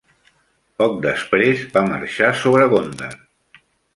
Poc després va marxar sobre Gondar.